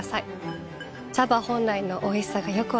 茶葉本来のおいしさがよく分かります。